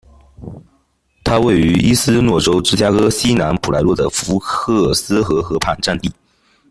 它位于伊利诺州芝加哥西南普莱诺的福克斯河河畔，占地。